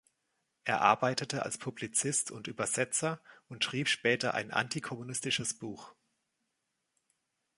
Er arbeitete als Publizist und Übersetzer und schrieb später ein antikommunistisches Buch.